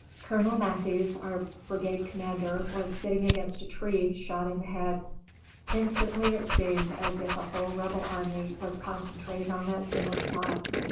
Colonel Matthies, our brigade commander, was sitting against a tree, shot in the head. Instantly it seemed as if a whole Rebel army was concentrated on that single spot.